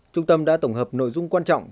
trung tâm đã tổng hợp nội dung quan trọng